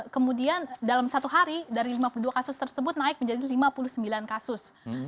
kemudian dalam satu hari dari lima puluh dua kasus tersebut naik menjadi lima puluh sembilan kasus